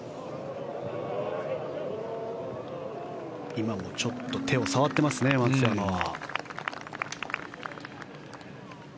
今もちょっと手を触ってますね松山は。